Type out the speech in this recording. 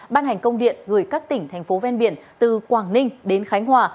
ban hành công điện gửi các tỉnh thành phố ven biển từ quảng ninh đến khánh hòa